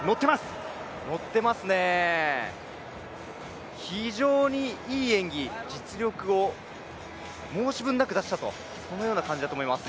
のってますね、非常にいい演技、実力を申し分なく出した、このような感じだと思います。